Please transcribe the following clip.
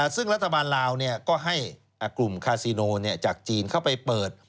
ซึ่งรัฐบาลลาวก็ให้กลุ่มคาซิโนจากจีนเข้าไปเปิด